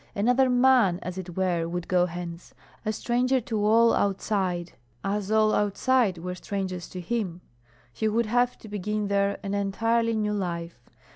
Another man as it were would go hence, a stranger to all outside, as all outside were strangers to him. He would have to begin there an entirely new life.